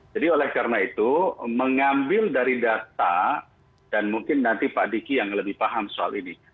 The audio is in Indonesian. jadi oleh karena itu mengambil dari data dan mungkin nanti pak diki yang lebih paham soal ini